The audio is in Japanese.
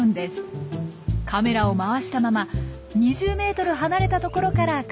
カメラを回したまま２０ｍ離れたところから観察します。